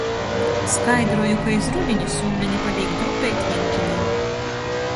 Skaidroju, ka iz rudini sūleni palīk drupeit vīntuli.